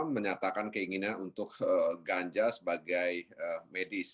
menyatakan keinginan untuk ganja sebagai medis